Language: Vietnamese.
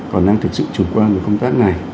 còn đang thực sự chủ quan về công tác này